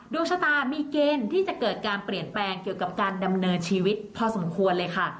ดวงชะตามีเกณฑ์ที่จะเกิดการเปลี่ยนแปลงเกี่ยวกับการดำเนินชีวิตพอสมควรเลยค่ะ